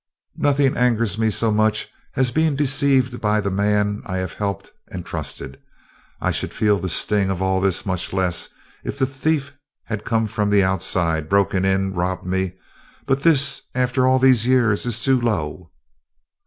"Nothing angers me so much as being deceived by the man I have helped and trusted. I should feel the sting of all this much less if the thief had come from the outside, broken in, and robbed me, but this, after all these years, is too low."